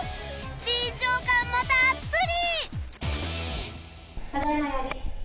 臨場感もたっぷり！